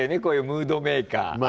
こういうムードメーカー。